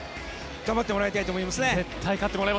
頑張ってもらいたいと思います。